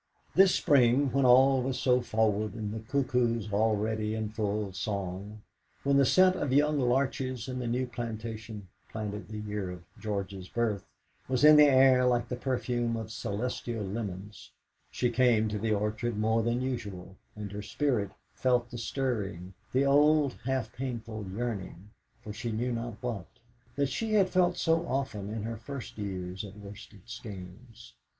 This spring, when all was so forward, and the cuckoos already in full song, when the scent of young larches in the New Plantation (planted the year of George's birth) was in the air like the perfume of celestial lemons, she came to the orchard more than usual, and her spirit felt the stirring, the old, half painful yearning for she knew not what, that she had felt so often in her first years at Worsted Skeynes.